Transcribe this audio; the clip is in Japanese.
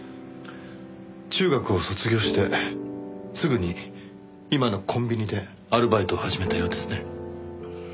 中学を卒業してすぐに今のコンビニでアルバイトを始めたようですね。